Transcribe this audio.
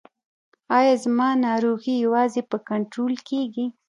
ایا زما ناروغي یوازې په کنټرول کیږي؟